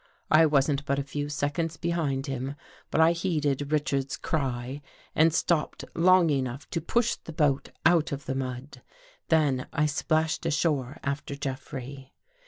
I wasn't but a few seconds behind him, but I heeded Richards's cry and stopped long enough to push the boat out of the mud, then I splashed ashore after Jeffrey.